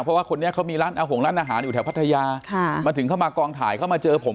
เพราะว่าคนนี้เขามีร้านอาหารร้านอาหารอยู่แถวพัทยามาถึงเข้ามากองถ่ายเข้ามาเจอผม